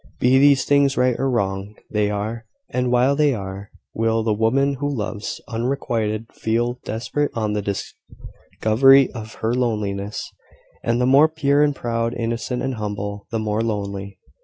Be these things right or wrong, they are: and while they are, will the woman who loves, unrequited, feel desperate on the discovery of her loneliness and, the more pure and proud, innocent and humble, the more lonely.